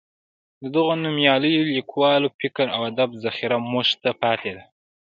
د دغو نومیالیو لیکوالو فکر او ادب ذخیره موږ ته پاتې ده.